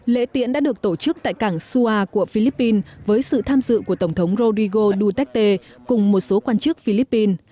lễ tiễn đã được tổ chức tại cảng sua của philippines với sự tham dự của tổng thống rodrigo duterte cùng một số quan chức philippines